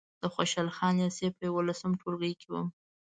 د خوشحال خان لېسې په یولسم ټولګي کې وم.